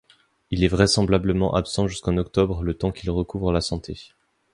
Il est vraisemblablement absent jusqu'en octobre le temps qu'il recouvre la santé.